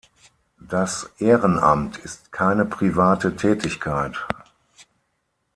Das Ehrenamt ist keine private Tätigkeit.